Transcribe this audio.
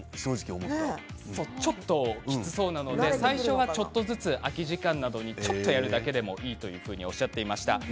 ちょっときつそうなので最初はちょっとずつ空き時間などにやるだけでもいいというふうにおっしゃっていました。